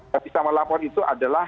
kita melapor itu adalah